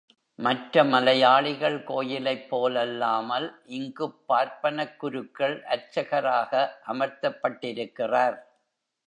மற்ற மலையாளிகள் கோயிலைப் போலல்லாமல், இங்குப் பார்ப்பனக் குருக்கள் அர்ச்சகராக அமர்த்தப்பட்டிருக்கிறார்.